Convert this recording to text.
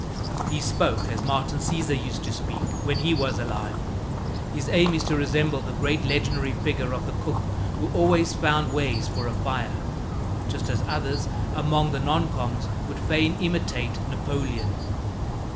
He spoke as Martin Cesar used to speak when he was alive. His aim is to resemble the great legendary figure of the cook who always found ways for a fire, just as others, among the non coms., would fain imitate Napoleon.